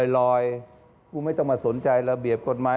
ผู้ไม่ต้องมาสนใจระเบียบกฎหมาย